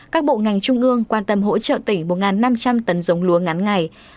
các bộ ngành trung ương quan tâm hỗ trợ tỉnh một năm trăm linh tấn giống lúa ngắn ngày